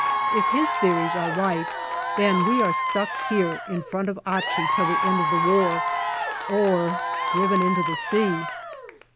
If his theories are right, then we are stuck here in front of Achi till the end of the war or driven into the sea.